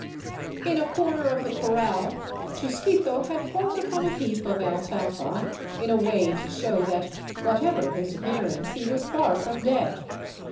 In a corner of the corral Chusquito had fallen upon a heap of alfalfa in a way to show that, whatever his appearance, he was far from dead.